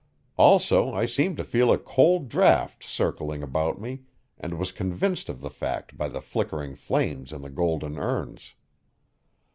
Also, I seemed to feel a cold draft circling about me, and was convinced of the fact by the flickering flames in the golden urns.